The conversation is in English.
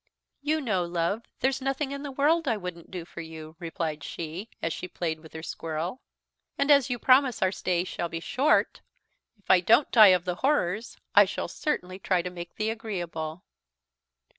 "You know, love, there's nothing in the world I wouldn't do for you," replied she, as she played with her squirrel; "and as you promise our stay shall be short, if I don't die of the horrors I shall certainly try to make the agreeable.